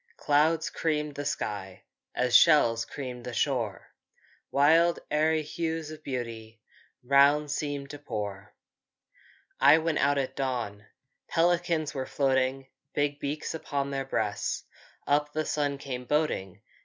Clouds creamed the sky, As shells creamed the shore; Wild aery hues of beauty Round seemed to pour! I went out at dawn, Pelicans were floating, Big beaks on their breasts; Up the sun came boating.